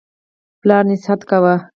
پلار نصیحت کاوه.